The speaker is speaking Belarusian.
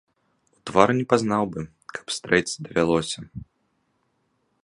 У твар не пазнаў бы, каб стрэць давялося.